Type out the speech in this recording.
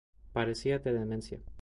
Padecía de demencia.